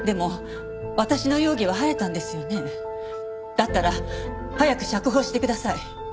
だったら早く釈放してください。